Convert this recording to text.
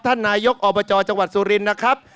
ท่านนายกออกประตอจังหวัดสุรินนะครับ